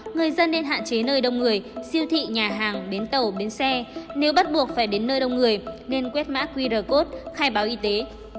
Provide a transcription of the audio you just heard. nơi đông người nên quét mã qr code khai báo y tế